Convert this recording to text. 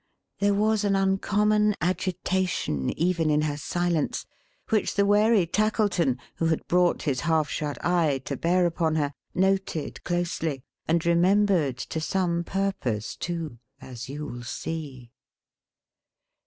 There was an uncommon agitation, even in her silence, which the wary Tackleton, who had brought his half shut eye to bear upon her, noted closely; and remembered to some purpose too, as you will see.